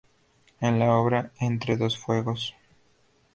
En la obra "Entre dos fuegos.